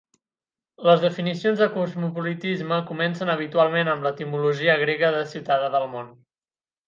Les definicions de cosmopolitisme comencen habitualment amb l'etimologia grega de "ciutadà del món".